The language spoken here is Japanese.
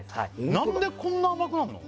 何でこんな甘くなるの？